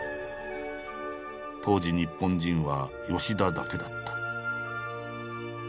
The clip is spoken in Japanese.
当時日本人は吉田だけだった。